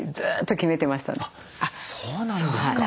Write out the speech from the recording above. そうなんですか。